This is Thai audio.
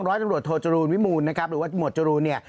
ร้อยตำรวจโทจรูลวิมูลนะครับหรือว่าหมวดจรูนเนี่ย